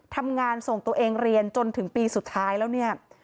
ทำงานส่งตัวเองเรียนจนถึงปีสุดท้ายแล้วเนี่ย